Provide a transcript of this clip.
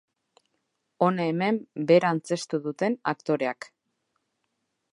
Hona hemen bera antzeztu duten aktoreak.